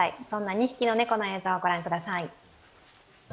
そんな２匹の猫の映像御覧ください。